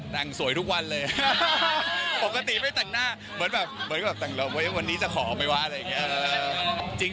นางสวยทุกวันเลยปกติไม่ตักหน้าเหมือนแบบตักรอบเว้ยวันนี้จะขอไหมวะอะไรอย่างเงี้ย